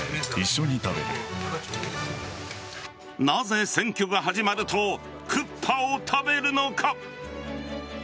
なぜ選挙が始まるとクッパを食べるのか。